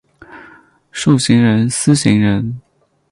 授行人司行人。